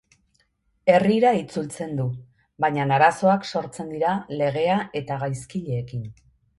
Herrira itzultzen du, baina arazoak sortzen dira legea eta gaizkileekin.